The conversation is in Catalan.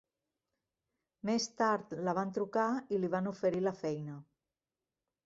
Més tard la van trucar i li van oferir la feina.